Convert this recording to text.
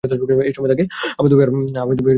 এ সময় তাঁকে আবুধাবি আর মাল্টায় যেতে হবে।